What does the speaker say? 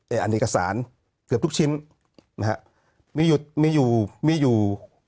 อันนี้เอกสารเกือบทุกชิ้นนะฮะมีอยู่มีอยู่มีอยู่